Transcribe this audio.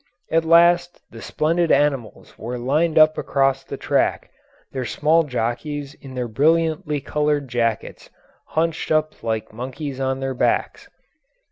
At last the splendid animals were lined up across the track, their small jockeys in their brilliantly coloured jackets hunched up like monkeys on their backs.